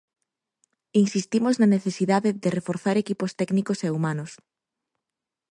Insistimos na necesidade de reforzar equipos técnicos e humanos.